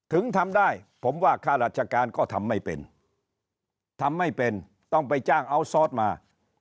ถึงทำได้ผมว่าข้าราชการก็ทำไม่เป็นทำไม่เป็นต้องไปจ้างอัลซอสมา